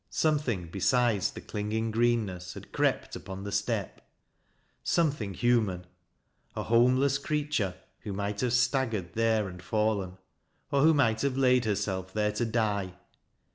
Something besides the cling ing greenness had crept upon the step, — something human. ■— a homeless creature, who might have staggered there and fallen, or who might have laid herself there to die.